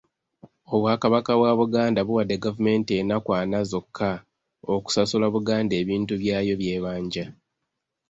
Obwakabaka bwa Buganda buwadde gavumenti ennaku ana zokka okusasula Buganda ebintu byayo by'ebanja.